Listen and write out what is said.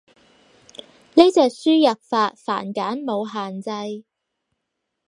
呢隻輸入法繁簡冇限制